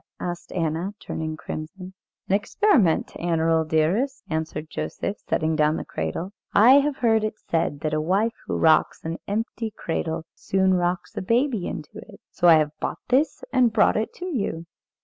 asked Anna, turning crimson. "An experiment, Annerl, dearest," answered Joseph, setting down the cradle. "I have heard it said that a wife who rocks an empty cradle soon rocks a baby into it. So I have bought this and brought it to you.